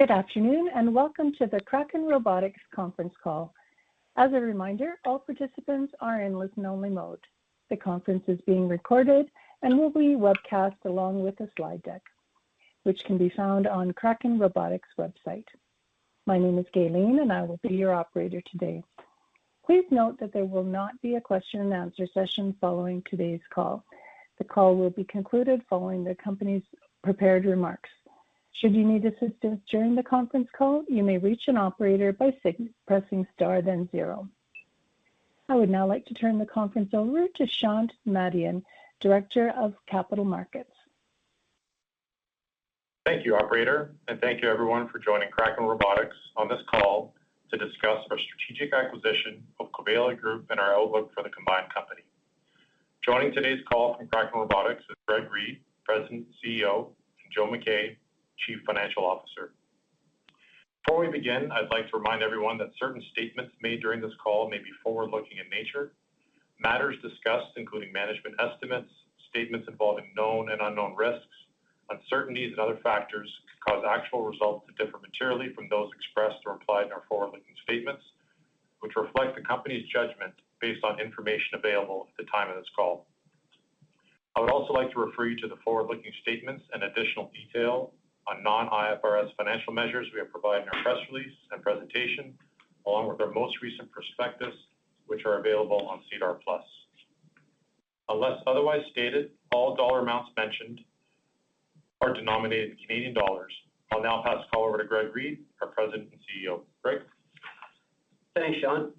Good afternoon, welcome to the Kraken Robotics conference call. As a reminder, all participants are in listen-only mode. The conference is being recorded and will be webcast along with the slide deck, which can be found on Kraken Robotics website. My name is Gaylene, I will be your operator today. Please note that there will not be a question and answer session following today's call. The call will be concluded following the company's prepared remarks. Should you need assistance during the conference call, you may reach an operator by pressing Star then zero. I would now like to turn the conference over to Shant Madian, Director of Capital Markets. Thank you, operator, and thank you everyone for joining Kraken Robotics on this call to discuss our strategic acquisition of Covelya Group and our outlook for the combined company. Joining today's call from Kraken Robotics is Greg Reid, President and CEO, and Joseph MacKay, Chief Financial Officer. Before we begin, I'd like to remind everyone that certain statements made during this call may be forward-looking in nature. Matters discussed, including management estimates, statements involving known and unknown risks, uncertainties and other factors could cause actual results to differ materially from those expressed or implied in our forward-looking statements, which reflect the company's judgment based on information available at the time of this call. I would also like to refer you to the forward-looking statements and additional detail on non-IFRS financial measures we have provided in our press release and presentation, along with our most recent prospectus, which are available on SEDAR+. Unless otherwise stated, all dollar amounts mentioned are denominated in Canadian dollars. I'll now pass the call over to Greg Reid, our President and CEO. Greg. Thanks, Shant.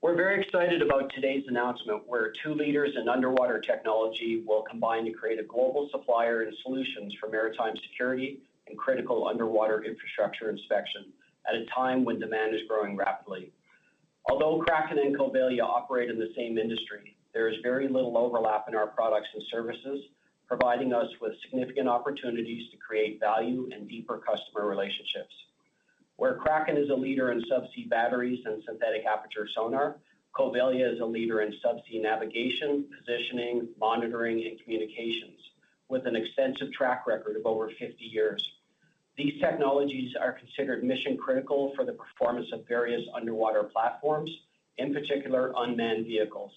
We're very excited about today's announcement, where two leaders in underwater technology will combine to create a global supplier and solutions for maritime security and critical underwater infrastructure inspection at a time when demand is growing rapidly. Although Kraken and Covelya operate in the same industry, there is very little overlap in our products and services, providing us with significant opportunities to create value and deeper customer relationships. Where Kraken is a leader in subsea batteries and synthetic aperture sonar, Covelya is a leader in subsea navigation, positioning, monitoring, and communications with an extensive track record of over 50 years. These technologies are considered mission-critical for the performance of various underwater platforms, in particular unmanned vehicles.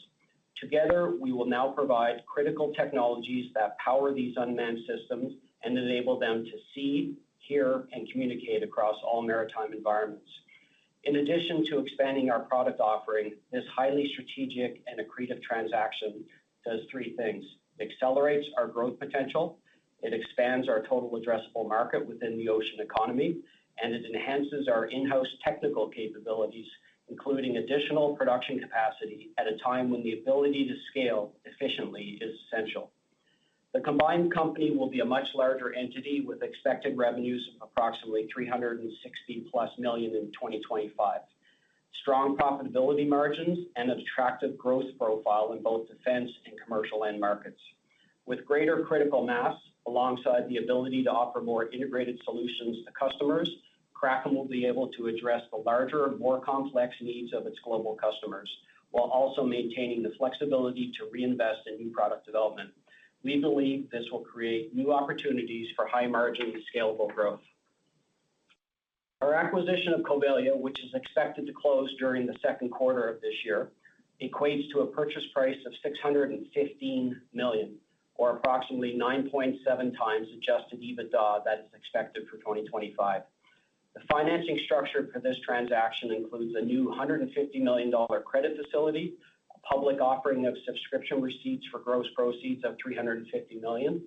Together, we will now provide critical technologies that power these unmanned systems and enable them to see, hear, and communicate across all maritime environments. In addition to expanding our product offering, this highly strategic and accretive transaction does three things: accelerates our growth potential, it expands our total addressable market within the ocean economy, and it enhances our in-house technical capabilities, including additional production capacity at a time when the ability to scale efficiently is essential. The combined company will be a much larger entity with expected revenues of approximately 360+ million in 2025. Strong profitability margins and attractive growth profile in both defense and commercial end markets. With greater critical mass alongside the ability to offer more integrated solutions to customers, Kraken will be able to address the larger and more complex needs of its global customers while also maintaining the flexibility to reinvest in new product development. We believe this will create new opportunities for high margin and scalable growth. Our acquisition of Covelya, which is expected to close during the second quarter of this year, equates to a purchase price of 615 million or approximately 9.7x adjusted EBITDA that is expected for 2025. The financing structure for this transaction includes a new 150 million dollar credit facility, a public offering of subscription receipts for gross proceeds of 350 million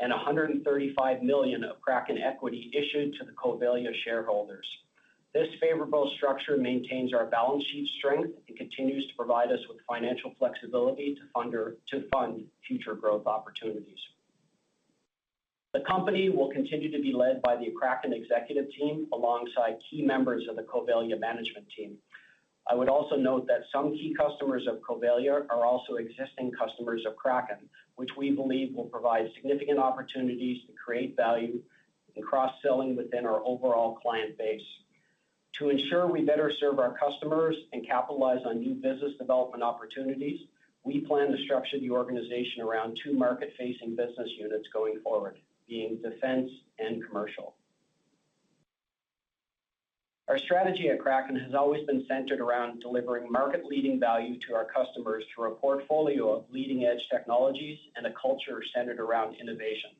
and 135 million of Kraken equity issued to the Covelya shareholders. This favorable structure maintains our balance sheet strength and continues to provide us with financial flexibility to fund future growth opportunities. The company will continue to be led by the Kraken executive team alongside key members of the Covelya Management Team. I would also note that some key customers of Covelya are also existing customers of Kraken, which we believe will provide significant opportunities to create value and cross-selling within our overall client base. To ensure we better serve our customers and capitalize on new business development opportunities, we plan to structure the organization around 2 market-facing business units going forward, being defense and commercial. Our strategy at Kraken has always been centered around delivering market-leading value to our customers through a portfolio of leading-edge technologies and a culture centered around innovation.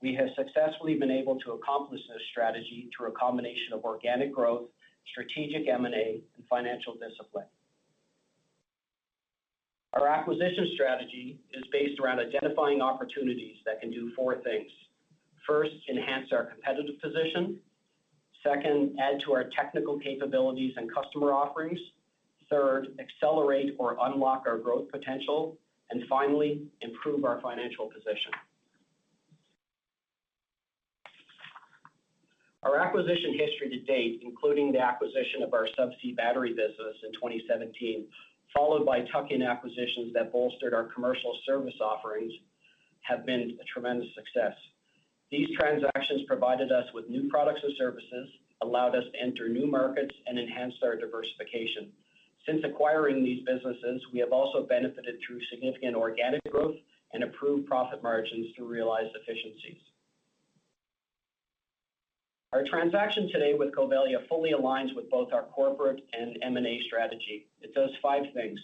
We have successfully been able to accomplish this strategy through a combination of organic growth, strategic M&A, and financial discipline. Our acquisition strategy is based around identifying opportunities that can do 4 things. First, enhance our competitive position. Second, add to our technical capabilities and customer offerings. Third, accelerate or unlock our growth potential. Finally, improve our financial position. Our acquisition history to date, including the acquisition of our subsea battery business in 2017, followed by tuck-in acquisitions that bolstered our commercial service offerings, have been a tremendous success. These transactions provided us with new products or services, allowed us to enter new markets and enhance our diversification. Since acquiring these businesses, we have also benefited through significant organic growth and improved profit margins to realize efficiencies. Our transaction today with Covelya fully aligns with both our corporate and M&A strategy. It does 5 things.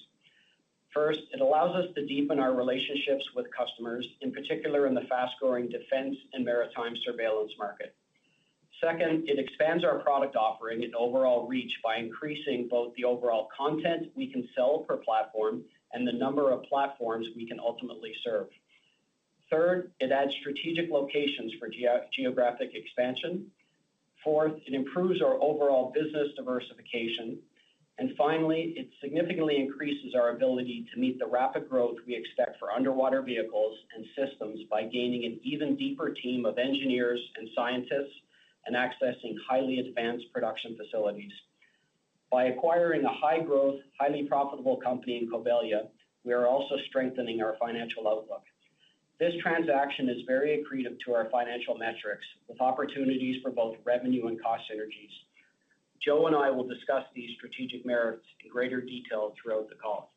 First, it allows us to deepen our relationships with customers, in particular in the fast-growing defense and maritime surveillance market. Second, it expands our product offering and overall reach by increasing both the overall content we can sell per platform and the number of platforms we can ultimately serve. Third, it adds strategic locations for geo-geographic expansion. Fourth, it improves our overall business diversification. Finally, it significantly increases our ability to meet the rapid growth we expect for underwater vehicles and systems by gaining an even deeper team of engineers and scientists and accessing highly advanced production facilities. By acquiring a high-growth, highly profitable company in Covelya, we are also strengthening our financial outlook. This transaction is very accretive to our financial metrics with opportunities for both revenue and cost synergies. Joe and I will discuss these strategic merits in greater detail throughout the call.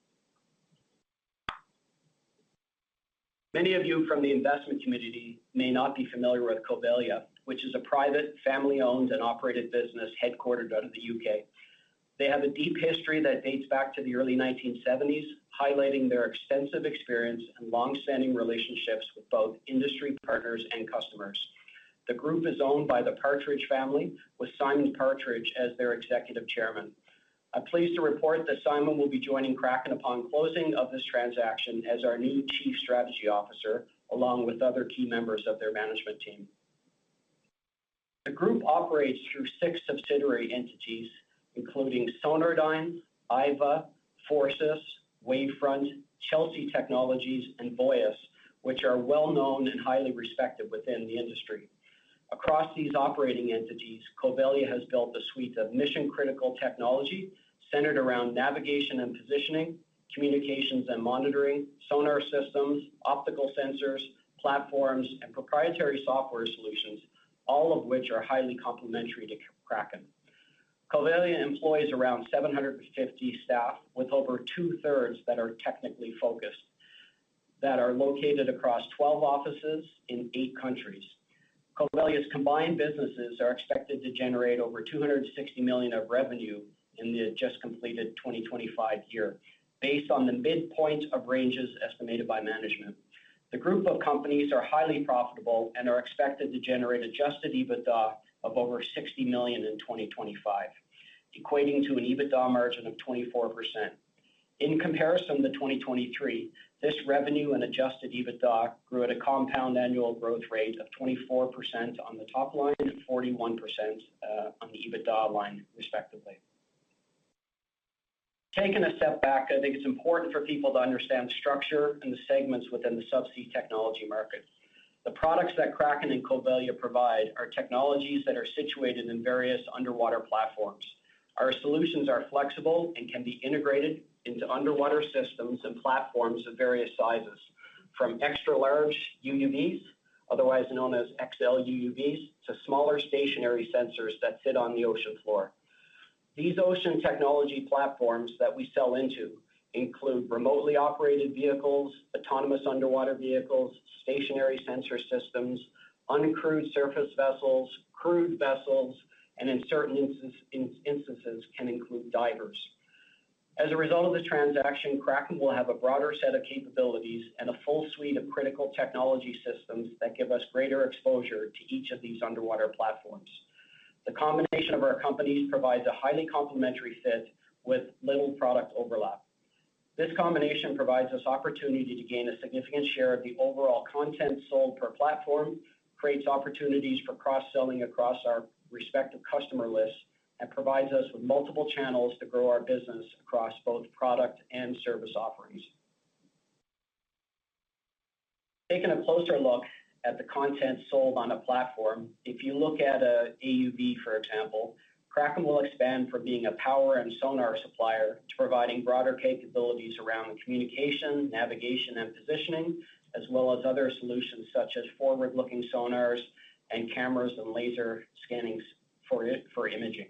Many of you from the investment community may not be familiar with Covelya, which is a private, family-owned and operated business headquartered out of the U.K. They have a deep history that dates back to the early 1970s, highlighting their extensive experience and long-standing relationships with both industry partners and customers. The group is owned by the Partridge family, with Simon Partridge as their executive chairman. I'm pleased to report that Simon will be joining Kraken upon closing of this transaction as our new Chief Strategy Officer, along with other key members of their management team. The group operates through six subsidiary entities, including Sonardyne, EIVA, Forcys, Wavefront, Chelsea Technologies, and Voyis, which are well-known and highly respected within the industry. Across these operating entities, Covelya has built a suite of mission-critical technology centered around navigation and positioning, communications and monitoring, sonar systems, optical sensors, platforms, and proprietary software solutions, all of which are highly complementary to Kraken. Covelya employs around 750 staff with over two-thirds that are technically focused that are located across 12 offices in eight countries. Covelya's combined businesses are expected to generate over 260 million of revenue in the just completed 2025 year based on the midpoint of ranges estimated by management. The group of companies are highly profitable and are expected to generate adjusted EBITDA of over 60 million in 2025, equating to an EBITDA margin of 24%. In comparison to 2023, this revenue and adjusted EBITDA grew at a compound annual growth rate of 24% on the top line and 41% on the EBITDA line, respectively. Taking a step back, I think it's important for people to understand the structure and the segments within the subsea technology market. The products that Kraken and Covelya provide are technologies that are situated in various underwater platforms. Our solutions are flexible and can be integrated into underwater systems and platforms of various sizes, from extra large UUVs, otherwise known as XLUUVs, to smaller stationary sensors that sit on the ocean floor. These ocean technology platforms that we sell into include remotely operated vehicles, autonomous underwater vehicles, stationary sensor systems, uncrewed surface vessels, crewed vessels, and in certain instances can include divers. As a result of the transaction, Kraken will have a broader set of capabilities and a full suite of critical technology systems that give us greater exposure to each of these underwater platforms. The combination of our companies provides a highly complementary fit with little product overlap. This combination provides us opportunity to gain a significant share of the overall content sold per platform, creates opportunities for cross-selling across our respective customer lists, and provides us with multiple channels to grow our business across both product and service offerings. Taking a closer look at the content sold on a platform. If you look at a AUV, for example, Kraken will expand from being a power and sonar supplier to providing broader capabilities around communication, navigation, and positioning, as well as other solutions such as forward-looking sonars and cameras and laser scannings for imaging.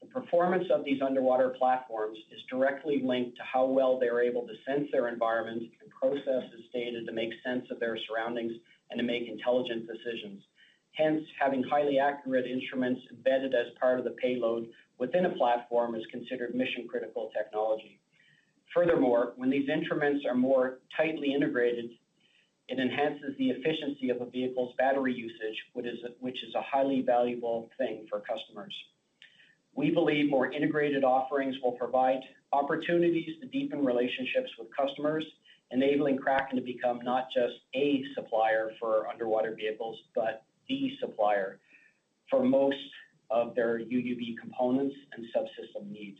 The performance of these underwater platforms is directly linked to how well they're able to sense their environment and process this data to make sense of their surroundings and to make intelligent decisions. Hence, having highly accurate instruments embedded as part of the payload within a platform is considered mission-critical technology. Furthermore, when these instruments are more tightly integrated, it enhances the efficiency of a vehicle's battery usage, which is a highly valuable thing for customers. We believe more integrated offerings will provide opportunities to deepen relationships with customers, enabling Kraken to become not just a supplier for underwater vehicles, but the supplier for most of their UUV components and subsystem needs.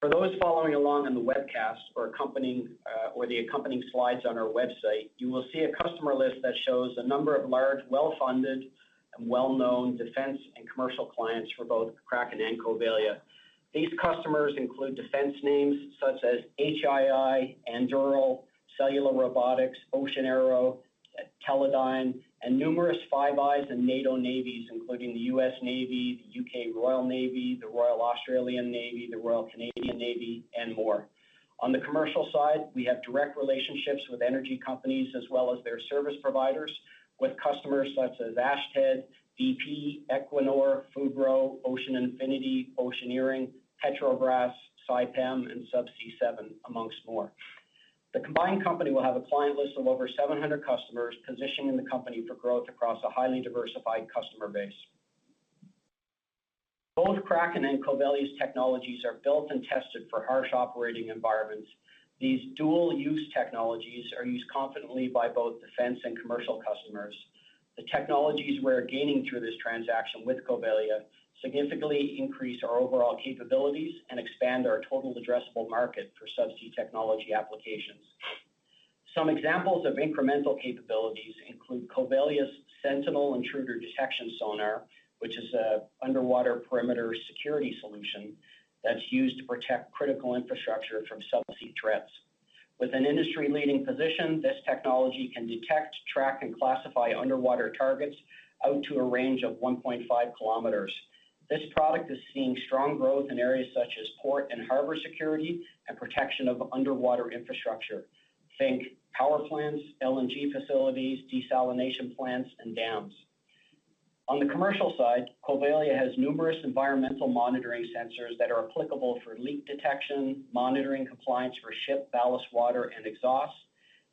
For those following along on the webcast or accompanying, or the accompanying slides on our website, you will see a customer list that shows a number of large, well-funded, and well-known defense and commercial clients for both Kraken and Covelya. These customers include defense names such as HII, Anduril, Cellula Robotics, Ocean Aero, Teledyne, and numerous Five Eyes and NATO navies, including the U.S. Navy, the U.K. Royal Navy, the Royal Australian Navy, the Royal Canadian Navy, and more. On the commercial side, we have direct relationships with energy companies as well as their service providers with customers such as Ashtead, BP, Equinor, Fugro, Ocean Infinity, Oceaneering, Petrobras, Saipem, and Subsea 7, amongst more. The combined company will have a client list of over 700 customers, positioning the company for growth across a highly diversified customer base. Both Kraken and Covelya's technologies are built and tested for harsh operating environments. These dual-use technologies are used confidently by both defense and commercial customers. The technologies we're gaining through this transaction with Covelya significantly increase our overall capabilities and expand our total addressable market for subsea technology applications. Some examples of incremental capabilities include Covelya's Sentinel Intruder Detection Sonar, which is a underwater perimeter security solution that's used to protect critical infrastructure from subsea threats. With an industry-leading position, this technology can detect, track, and classify underwater targets out to a range of 1.5 km. This product is seeing strong growth in areas such as port and harbor security and protection of underwater infrastructure. Think power plants, LNG facilities, desalination plants, and dams. On the commercial side, Covelya has numerous environmental monitoring sensors that are applicable for leak detection, monitoring compliance for ship ballast water and exhaust,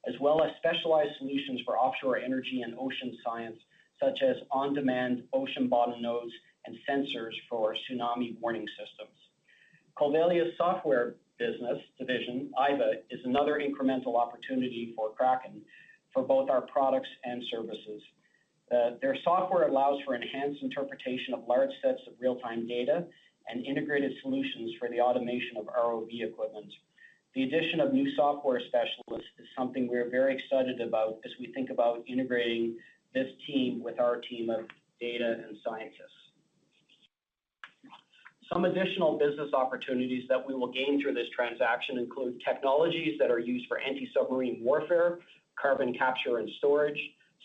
as well as specialized solutions for offshore energy and ocean science, such as on-demand ocean bottom nodes and sensors for tsunami warning systems. Covelya's software business division, EIVA, is another incremental opportunity for Kraken for both our products and services. Their software allows for enhanced interpretation of large sets of real-time data and integrated solutions for the automation of ROV equipment. The addition of new software specialists is something we are very excited about as we think about integrating this team with our team of data and scientists. Some additional business opportunities that we will gain through this transaction include technologies that are used for anti-submarine warfare, carbon capture and storage,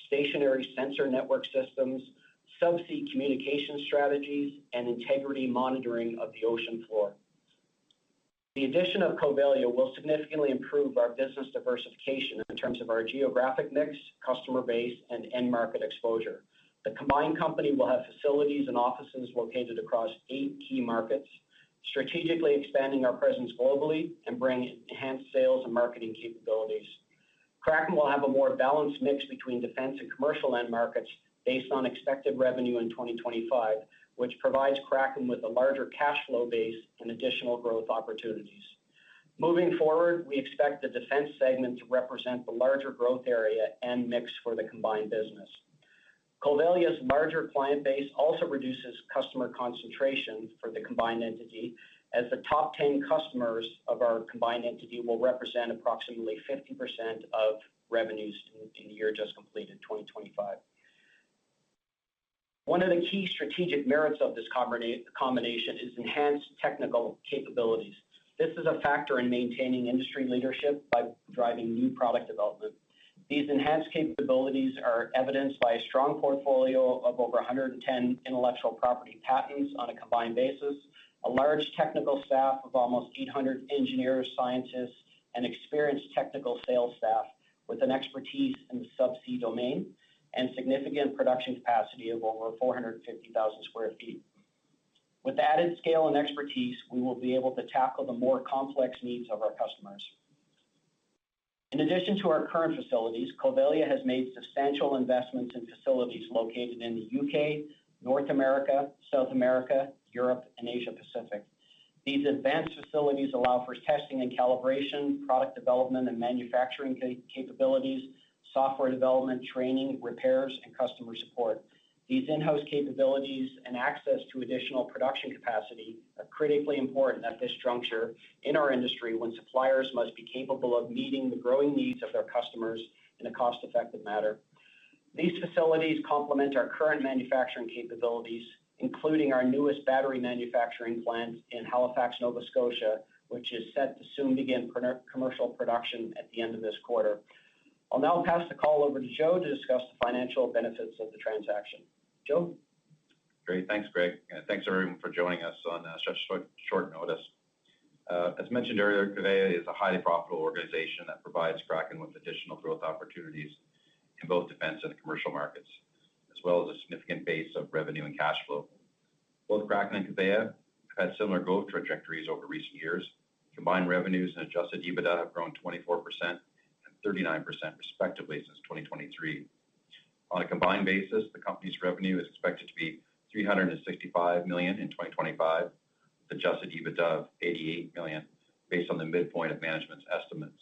stationary sensor network systems, subsea communication strategies, and integrity monitoring of the ocean floor. The addition of Covelya will significantly improve our business diversification in terms of our geographic mix, customer base, and end market exposure. The combined company will have facilities and offices located across eight key markets, strategically expanding our presence globally and bringing enhanced sales and marketing capabilities. Kraken will have a more balanced mix between defense and commercial end markets based on expected revenue in 2025, which provides Kraken with a larger cash flow base and additional growth opportunities. Moving forward, we expect the defense segment to represent the larger growth area and mix for the combined business. Covelya's larger client base also reduces customer concentration for the combined entity, as the top 10 customers of our combined entity will represent approximately 50% of revenues in the year just completed, 2025. One of the key strategic merits of this combination is enhanced technical capabilities. This is a factor in maintaining industry leadership by driving new product development. These enhanced capabilities are evidenced by a strong portfolio of over 110 intellectual property patents on a combined basis, a large technical staff of almost 800 engineers, scientists, and experienced technical sales staff with an expertise in the subsea domain, and significant production capacity of over 450,000 sq ft. With added scale and expertise, we will be able to tackle the more complex needs of our customers. In addition to our current facilities, Covelya has made substantial investments in facilities located in the U.K., North America, South America, Europe, and Asia Pacific. These advanced facilities allow for testing and calibration, product development and manufacturing capabilities, software development, training, repairs, and customer support. These in-house capabilities and access to additional production capacity are critically important at this juncture in our industry when suppliers must be capable of meeting the growing needs of their customers in a cost-effective manner. These facilities complement our current manufacturing capabilities, including our newest battery manufacturing plant in Halifax, Nova Scotia, which is set to soon begin commercial production at the end of this quarter. I'll now pass the call over to Joe to discuss the financial benefits of the transaction. Joe? Great. Thanks, Greg, and thanks, everyone, for joining us on such short notice. As mentioned earlier, Covelya is a highly profitable organization that provides Kraken with additional growth opportunities in both defense and the commercial markets, as well as a significant base of revenue and cash flow. Both Kraken and Covelya have had similar growth trajectories over recent years. Combined revenues and adjusted EBITDA have grown 24% and 39% respectively since 2023. On a combined basis, the company's revenue is expected to be 365 million in 2025, adjusted EBITDA of 88 million based on the midpoint of management's estimates.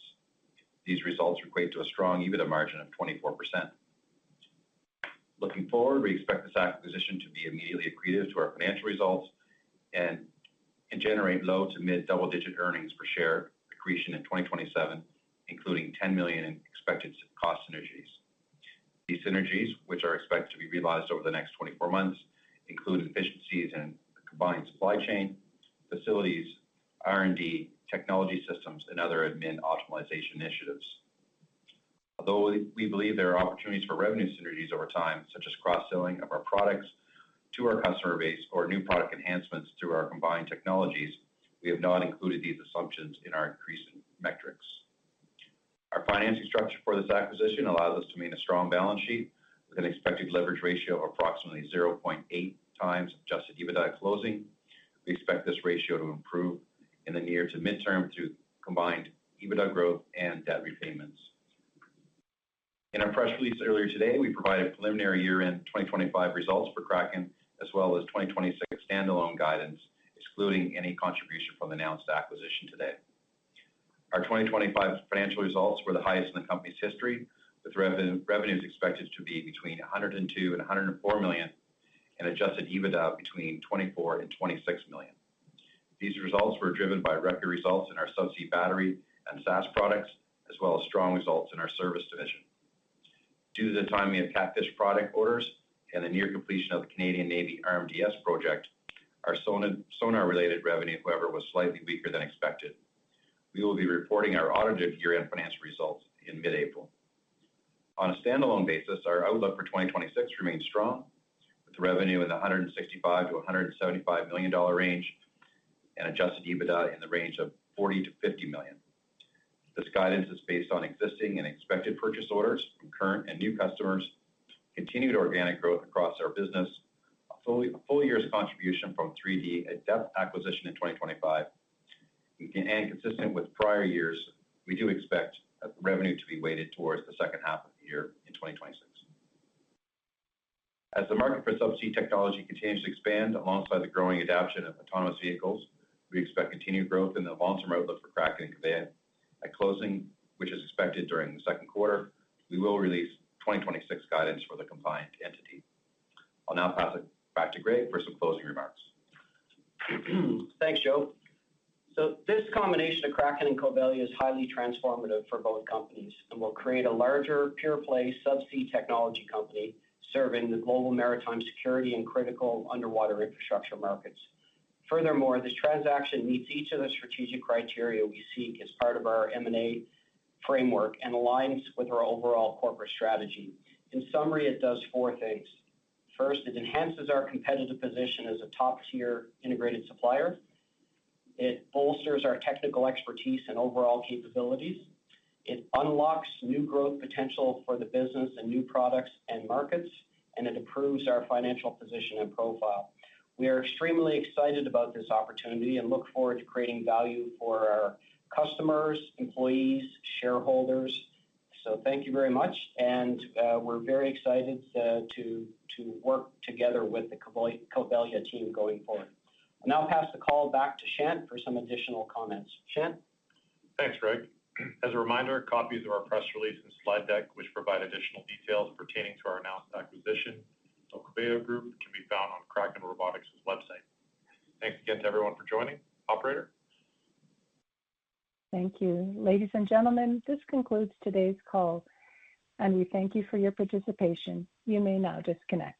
These results equate to a strong EBITDA margin of 24%. Looking forward, we expect this acquisition to be immediately accretive to our financial results and generate low to mid double-digit earnings per share accretion in 2027, including 10 million in expected cost synergies. These synergies, which are expected to be realized over the next 24 months, include efficiencies in combined supply chain, facilities, R&D, technology systems, other admin optimization initiatives. Although we believe there are opportunities for revenue synergies over time, such as cross-selling of our products to our customer base or new product enhancements through our combined technologies, we have not included these assumptions in our increase in metrics. Our financing structure for this acquisition allows us to maintain a strong balance sheet with an expected leverage ratio of approximately 0.8 times adjusted EBITDA at closing. We expect this ratio to improve in the near to midterm through combined EBITDA growth and debt repayments. In our press release earlier today, we provided preliminary year-end 2025 results for Kraken as well as 2026 standalone guidance, excluding any contribution from the announced acquisition today. Our 2025 financial results were the highest in the company's history, with revenue expected to be between 102 million and 104 million and adjusted EBITDA between 24 million and 26 million. These results were driven by record results in our subsea battery and SAS products, as well as strong results in our service division. Due to the timing of KATFISH product orders and the near completion of the Royal Canadian Navy RMDS project, our sonar-related revenue, however, was slightly weaker than expected. We will be reporting our audited year-end financial results in mid-April. On a standalone basis, our outlook for 2026 remains strong, with revenue in the 165 million-175 million dollar range and adjusted EBITDA in the range of 40 million-50 million. This guidance is based on existing and expected purchase orders from current and new customers, continued organic growth across our business, a full year's contribution from 3D at Depth acquisition in 2025. Consistent with prior years, we do expect revenue to be weighted towards the second half of the year in 2026. As the market for subsea technology continues to expand alongside the growing adoption of autonomous vehicles, we expect continued growth in the long-term outlook for Kraken and Covelya. At closing, which is expected during the second quarter, we will release 2026 guidance for the combined entity. I'll now pass it back to Greg for some closing remarks. Thanks, Joe. This combination of Kraken and Covelya is highly transformative for both companies and will create a larger pure-play subsea technology company serving the global maritime security and critical underwater infrastructure markets. Furthermore, this transaction meets each of the strategic criteria we seek as part of our M&A framework and aligns with our overall corporate strategy. In summary, it does four things. First, it enhances our competitive position as a top-tier integrated supplier. It bolsters our technical expertise and overall capabilities. It unlocks new growth potential for the business and new products and markets, and it improves our financial position and profile. We are extremely excited about this opportunity and look forward to creating value for our customers, employees, shareholders. Thank you very much and we're very excited to work together with the Covelya Team going forward. I'll now pass the call back to Shant for some additional comments. Shant? Thanks, Greg. As a reminder, copies of our press release and slide deck, which provide additional details pertaining to our announced acquisition of Covelya Group, can be found on Kraken Robotics' website. Thanks again to everyone for joining. Operator? Thank you. Ladies and gentlemen, this concludes today's call, and we thank you for your participation. You may now disconnect.